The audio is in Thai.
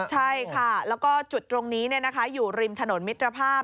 ใช่ค่ะแล้วก็จุดตรงนี้อยู่ริมถนนมิตรภาพ